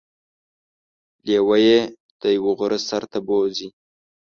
لیوه يې د یوه غره سر ته بوځي.